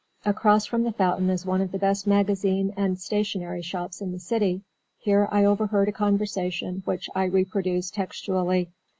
Across from the fountain is one of the best magazine and stationery shops in the city. Here I overheard a conversation which I reproduce textually.